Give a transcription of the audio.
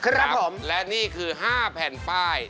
ครับผมและนี่คือ๕แผ่นป้าย